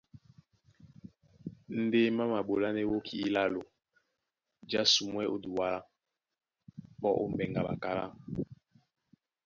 Ndé má maɓolánɛ́ wóki ílálo jǎsumwɛ́ ó Duala, pɔ ó mbɛŋgɛ a ɓakálá.